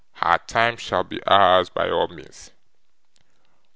Her time shall be ours by all means.